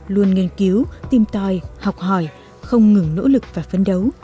luôn nghiên cứu tìm tòi học hỏi không ngừng nỗ lực và phấn đấu